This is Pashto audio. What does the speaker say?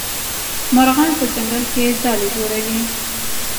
مرغان په ځنګل کې ځالې جوړوي.